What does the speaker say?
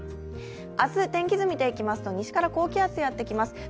明日天気図を見ていきますと西から高気圧がやってきます。